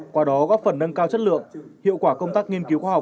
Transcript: qua đó góp phần nâng cao chất lượng hiệu quả công tác nghiên cứu khoa học